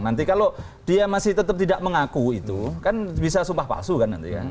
nanti kalau dia masih tetap tidak mengaku itu kan bisa sumpah palsu kan nanti kan